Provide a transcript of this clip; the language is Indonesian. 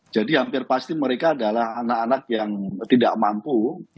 jadi hampir pasti mereka adalah anak anak yang tidak mampu